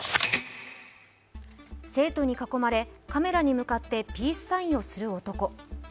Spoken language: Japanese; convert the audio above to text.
生徒に囲まれカメラに向かってピースサインをする男。